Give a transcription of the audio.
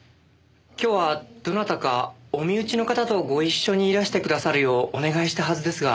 今日はどなたかお身内の方とご一緒にいらしてくださるようお願いしたはずですが。